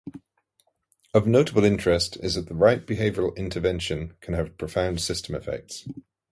Of notable interest is that the right behavioral intervention can have profound system effects.